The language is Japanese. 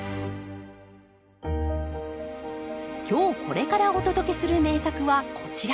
今日これからお届けする名作はこちら。